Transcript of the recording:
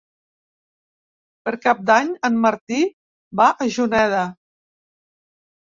Per Cap d'Any en Martí va a Juneda.